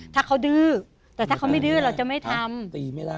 ถ้าเขาดื้อแต่ถ้าเขาไม่ดื้อเราจะไม่ทำ